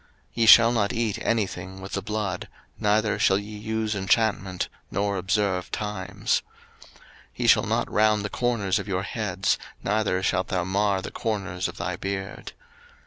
03:019:026 Ye shall not eat any thing with the blood: neither shall ye use enchantment, nor observe times. 03:019:027 Ye shall not round the corners of your heads, neither shalt thou mar the corners of thy beard.